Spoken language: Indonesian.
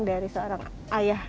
dari seorang ayah